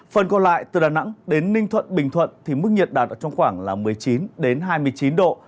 phần còn lại từ đà nẵng đến ninh thuận bình thuận thì mức nhiệt đạt ở trong khoảng một mươi chín hai mươi chín độ